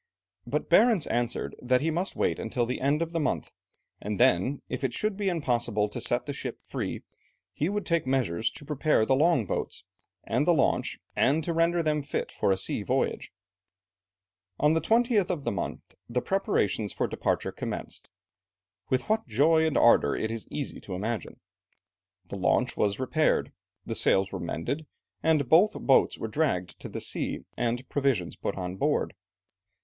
But Barentz answered that he must wait until the end of the month, and then, if it should be impossible to set the ship free, he would take measures to prepare the long boats and the launch, and to render them fit for a sea voyage. On the 20th of the month the preparations for departure commenced; with what joy and ardour it is easy to imagine. The launch was repaired, the sails were mended, and both boats were dragged to the sea, and provisions put on board.